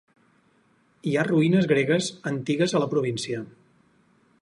Hi ha ruïnes gregues antigues a la província.